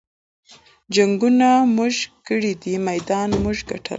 جنګــــونه مونږه کـــــــــړي دي مېدان مونږه ګټلے